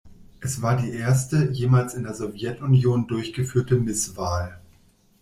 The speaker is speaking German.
Es war die erste jemals in der Sowjetunion durchgeführte Misswahl.